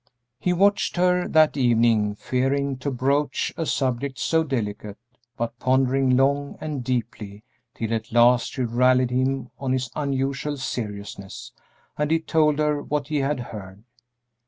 He watched her that evening, fearing to broach a subject so delicate, but pondering long and deeply, till at last she rallied him on his unusual seriousness, and he told her what he had heard.